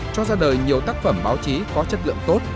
cho ra đời nhiều tác phẩm báo chí có chất lượng tốt